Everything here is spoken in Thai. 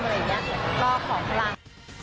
ก็ขอพลัง